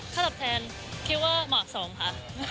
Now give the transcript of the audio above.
ข้าวตอบแทนคิดว่าเหมาะส่งค่ะ